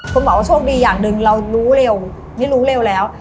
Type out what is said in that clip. คุณหมอว่าโชคดีอย่างหนึ่งเรารู้เร็วไม่รู้เร็วแล้ว